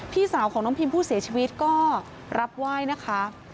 พี่สาวของน้องพิมผู้เสียชีวิตก็รับไหว้นะคะ